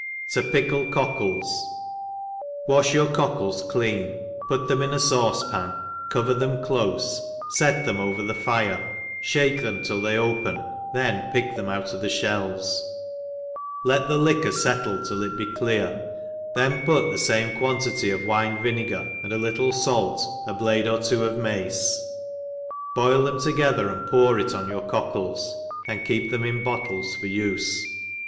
•» To pickle Cockles. WASH your cockles clean, put them in a fauce pan, cover them cloie, fet them over the ifire, fliake them till they open, then pick them out of the (hells, let the liquor fettle till it be clear, then put the fame quantity of wine vinegar, and a little fait, a blade or two of mace, boil them together, and pour it on your cockles, and keep them in bottles for ufc.